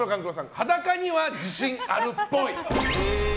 裸には自信あるっぽい。